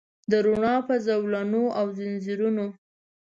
د روڼا په زولنو او ځنځیرونو